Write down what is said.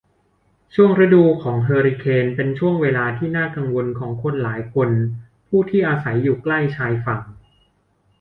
ช่วงฤดูของเฮอริเคนเป็นช่วงเวลาที่น่ากังวลของคนหลายคนผู้ที่อาศัยอยู่ใกล้ชายฝั่ง